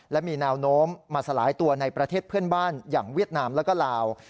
และมีแนวโน้มมาสลายตัวในประเทศเพื่อนบ้านอย่างเวียดนามแล้วก็ลาว